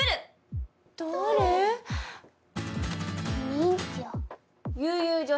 忍者？